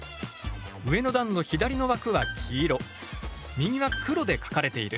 上の段の左の枠は黄色右は黒で書かれている。